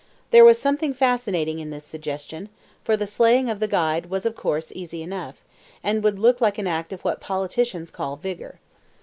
There was something fascinating in this suggestion, for the slaying of the guide was of course easy enough, and would look like an act of what politicians call "vigour."